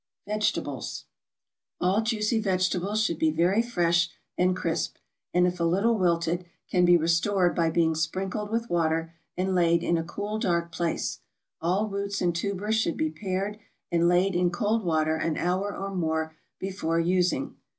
=Vegetables.= All juicy vegetables should be very fresh and crisp; and if a little wilted, can be restored by being sprinkled with water and laid in a cool, dark place; all roots and tubers should be pared and laid in cold water an hour or more before using.